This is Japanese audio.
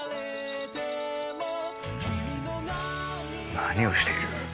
何をしている？